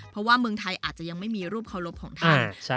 เพราะว่าเมืองไทยอาจจะยังไม่มีรูปเคารพของท่าน